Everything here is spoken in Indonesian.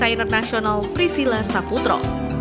dan penyelidik nasional priscila saputro